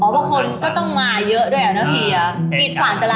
อ๋อเป็นคนก็ต้องมาเยอะด้วยอ่ะนะพี่เนาะขี่